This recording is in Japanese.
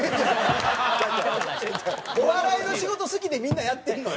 お笑いの仕事好きでみんなやってるのよ。